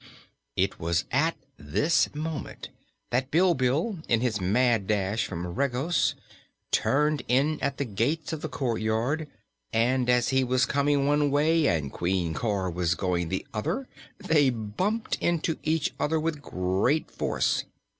It was at this moment that Bilbil, in his mad dash from Regos, turned in at the gates of the courtyard, and as he was coming one way and Queen Cor was going the other they bumped into each other with great force.